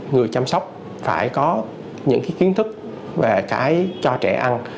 người chăm sóc phải có những kiến thức về cái cho trẻ ăn